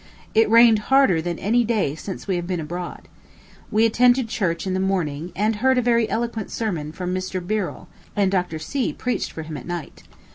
It rained harder than any day since we have been abroad. We attended church in the morning, and heard a very eloquent sermon from Mr. Birrel, and Dr. C. preached for him at night.